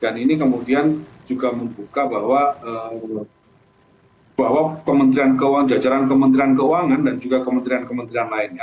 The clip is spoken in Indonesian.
dan ini kemudian juga membuka bahwa kementerian keuangan jajaran kementerian keuangan dan juga kementerian kementerian lainnya